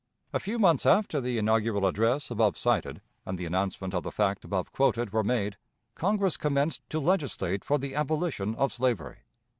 A few months after the inaugural address above cited and the announcement of the fact above quoted were made, Congress commenced to legislate for the abolition of slavery.